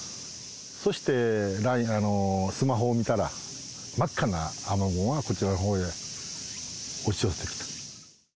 そしてスマホを見たら、真っ赤な雨雲がこっちの方へ押し寄せてきた。